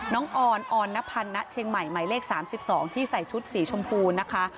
ออนออนนพันธ์ณเชียงใหม่หมายเลข๓๒ที่ใส่ชุดสีชมพูนะคะ